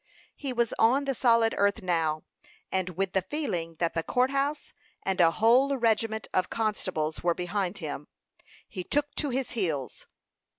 He was on the solid earth now, and with the feeling that the court house and a whole regiment of constables were behind him, he took to his heels.